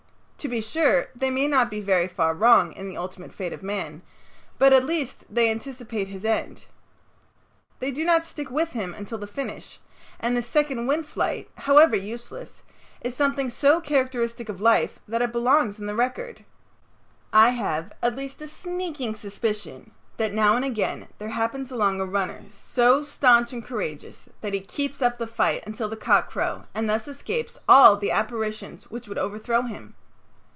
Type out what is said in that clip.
To be sure, they may not be very far wrong in the ultimate fate of man, but at least they anticipate his end. They do not stick with him until the finish; and this second wind flight, however useless, is something so characteristic of life that it belongs in the record. I have at least a sneaking suspicion that now and again there happens along a runner so staunch and courageous that he keeps up the fight until cock crow and thus escapes all the apparitions which would overthrow him.